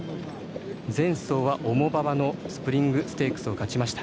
前走は重馬場のスプリングステークスを勝ちました。